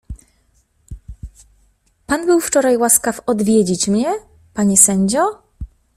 — Pan był wczoraj łaskaw odwiedzić mnie, panie sędzio?